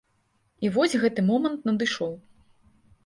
І вось гэты момант надышоў.